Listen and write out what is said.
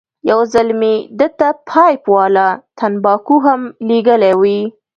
یو ځل مې ده ته پایپ والا تنباکو هم لېږلې وې.